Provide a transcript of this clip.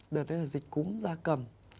đợt đấy là dịch cúm ra cầm